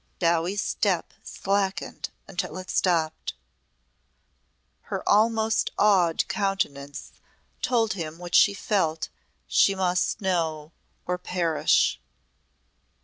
Dowie's step slackened until it stopped. Her almost awed countenance told him what she felt she must know or perish.